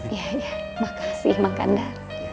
ya ya makasih mengkandar